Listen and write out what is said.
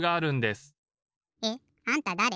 えっ？あんただれ？